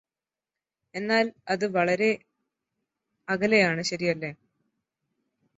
എന്നാല് അത് വളരെ അകലെയാണ് ശരിയല്ലേ